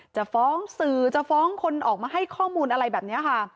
จะฟ้องสื่อจะฟ้องคนออกมาให้ข้อมูลอะไรแบบนี้ค่ะ